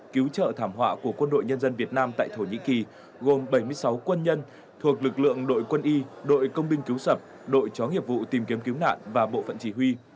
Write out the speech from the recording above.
cứu trợ thảm họa của quân đội nhân dân việt nam tại thổ nhĩ kỳ gồm bảy mươi sáu quân nhân thuộc lực lượng đội quân y đội công binh cứu sập đội chóng nghiệp vụ tìm kiếm cứu nạn và bộ phận chỉ huy